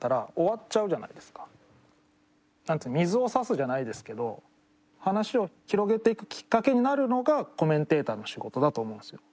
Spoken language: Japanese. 水を差すじゃないですけど話を広げていくきっかけになるのがコメンテーターの仕事だと思うんですよ。